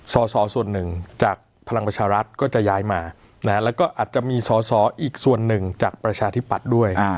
สอสอส่วนหนึ่งจากพลังประชารัฐก็จะย้ายมาแล้วก็อาจจะมีสอสออีกส่วนหนึ่งจากประชาธิปัตย์ด้วย